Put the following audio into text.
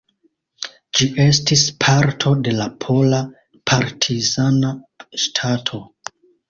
Ĝi estis parto de la Pola Partizana Ŝtato.